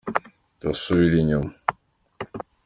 ndasubira inyuma.